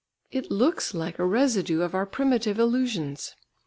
It looks like a residue of our primitive illusions.